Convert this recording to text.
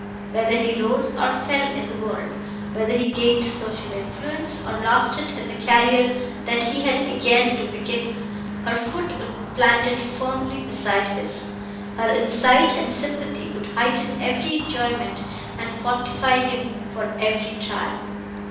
Whether he rose or fell in the world; whether he gained social influence or lost it in the career that he had again to begin, her foot would be planted firmly beside his; her insight and sympathy would heighten every enjoyment and fortify him for every trial.